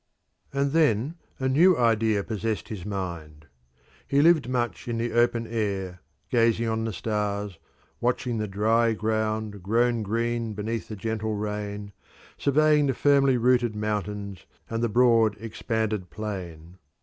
And then a new idea possessed his mind. He lived much in the open air, gazing on the stars, watching the dry ground grown green beneath the gentle rain, surveying the firmly rooted mountains and the broad expanded plain.